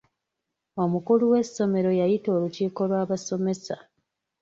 Omukulu w'essomero yayita olukiiko lw'abasomesa.